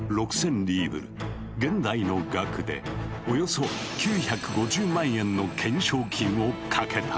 リーブル現代の額でおよそ９５０万円の懸賞金をかけたのだ。